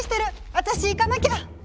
私行かなきゃ！